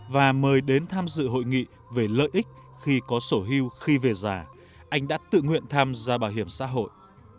và mời đến tham dự hội nghị về lợi ích khi có sổ hưu khi về già anh đã tự nguyện tham gia bảo hiểm xã hội